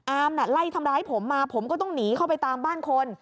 น่ะไล่ทำร้ายผมมาผมก็ต้องหนีเข้าไปตามบ้านคน